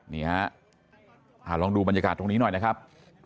นี่ฮะลองดูบรรยากาศตรงนี้หน่อยนะครับ